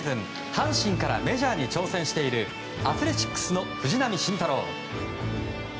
阪神からメジャーに挑戦しているアスレチックスの藤浪晋太郎。